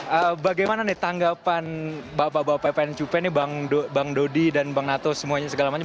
bang epen cupen bagaimana nih tanggapan bapak bapak epen cupen bang dodi dan bang nato semuanya segalanya